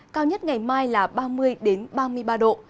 cao nhất ngày mai là ba mươi ba mươi ba độ